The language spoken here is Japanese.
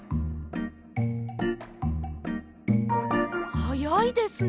はやいですね。